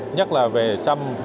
nhất là về xâm